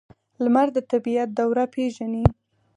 لمر د طبیعت دوره پیژني.